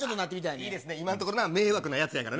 いいですね、今のところ、迷惑なやつやからな。